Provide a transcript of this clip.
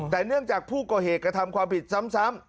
แต่เนื่องจากผู้ก่อเหตุกระทำความผิดซ้ำ